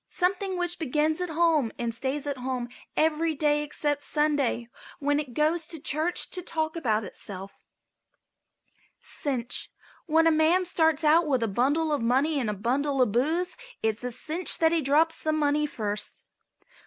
Something which begins at home and stays at home every day except Sunday, when it goes to church to talk about itself. CINCH. When a man starts out with a bundle of money and a bundle of booze it's a cinch that he drops the money first.